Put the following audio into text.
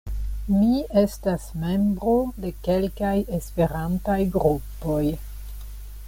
Mi estas membro de kelkaj Esperantaj grupoj.